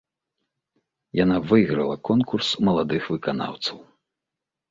Яна выйграла конкурс маладых выканаўцаў.